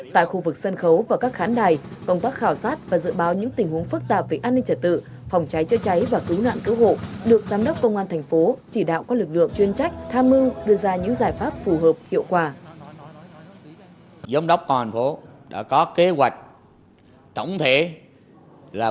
tại khu vực sân khấu và các khán đài công tác khảo sát và dự báo những tình huống phức tạp về an ninh trật tự phòng cháy chữa cháy và cứu nạn cứu hộ được giám đốc công an thành phố chỉ đạo các lực lượng chuyên trách tham mưu đưa ra những giải pháp phù hợp hiệu quả